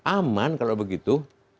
aman kalau begitu